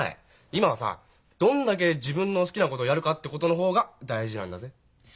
今はさどんだけ自分の好きなことやるかってことの方が大事なんだぜ。